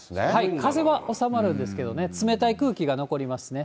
風は収まるんですけどね、冷たい空気が残りますね。